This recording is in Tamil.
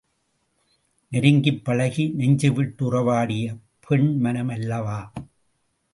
நெருங்கிப் பழகி நெஞ்சுவிட்டு உறவாடிய பெண் மனம் அல்லவா?